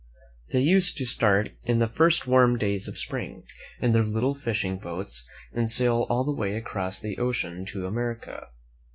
They used to start in the first warm days of spring, in their little fishing boats, and sail all the way across the ocean to America.